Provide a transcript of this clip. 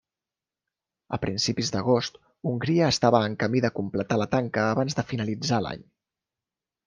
A principis d'agost, Hongria estava en camí de completar la tanca abans de finalitzar l'any.